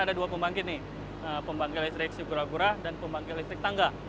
ada dua pembangkit nih pembangkit listrik sigura gura dan pembangkit listrik tangga